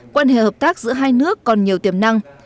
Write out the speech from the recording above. quan hệ hợp tác giữa hai nước còn nhiều tiềm năng